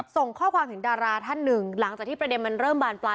ส่งข้อความถึงดาราท่านหนึ่งหลังจากที่ประเด็นมันเริ่มบานปลาย